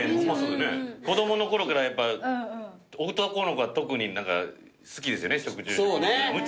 子供のころから男の子は特に好きですよね食虫植物。